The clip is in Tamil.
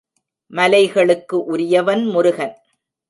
மலைகளுக்கு உரியவன் முருகன்.